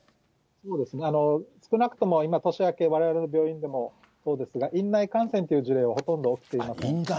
少なくとも今、年明け、われわれの病院でもそうですが、院内感染という事例はほとんど起きていません。